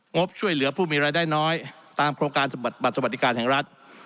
งบช่วยเหลือผู้มีรายได้น้อยตามโครงการบัตรสวัสดิการแห่งรัฐ